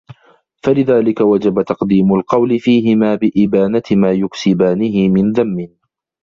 فَلِذَلِكَ وَجَبَ تَقْدِيمُ الْقَوْلِ فِيهِمَا بِإِبَانَةِ مَا يُكْسِبَانِهِ مِنْ ذَمٍّ